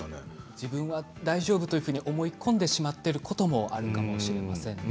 自分が大丈夫と思い込んでしまっていることもあるかもしれません。